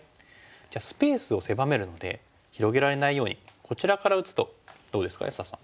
じゃあスペースを狭めるので広げられないようにこちらから打つとどうですか安田さん。